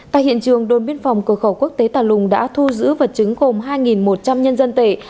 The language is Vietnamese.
tại hiện trường đồn biên phòng cửa khẩu quốc tế tà lùng đã thu giữ vật chứng gồm hai một trăm linh nhân dân tệ